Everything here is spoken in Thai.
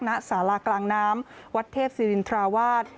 ณสารากลางน้ำวัดเทพศิรินทราวาส